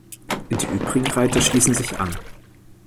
Die übrigen Reiter schließen sich an.